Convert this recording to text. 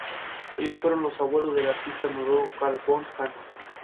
Se necesitan más exámenes para comprobar un resultado negativo.